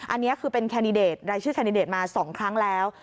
อันนี้คือเป็นแคนดิเดตรายชื่อแคนดิเดตมา๒ครั้งแล้ว